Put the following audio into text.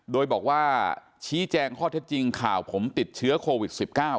โดยบอกว่าชี้แจงข้อเท็จจริงข่าวผมติดเชื้อโควิด๑๙